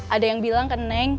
ada yang bilang ke neng